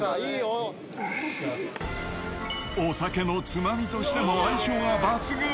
お酒のつまみとしても相性が抜群。